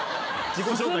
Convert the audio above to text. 自己紹介